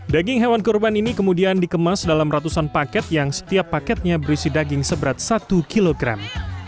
daging hewan kurban ini kemudian dikemas dalam ratusan paket yang setiap paketnya berisi daging seberat satu kilogram